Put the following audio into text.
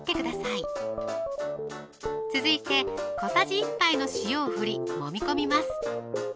続いて小さじ１杯の塩を振りもみ込みます